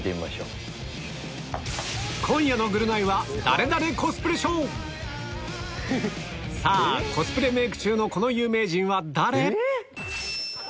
今夜の『ぐるナイ』はさぁコスプレメーク中のこの有名人は誰？